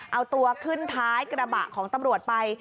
เอาตัวขึ้นท้ายกระบะของตำรวจไป